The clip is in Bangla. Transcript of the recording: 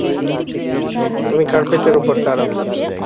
তুমি কার্পেটের ওপর দাঁড়াও।